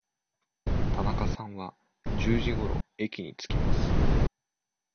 田中さんは十時ごろ駅に着きます。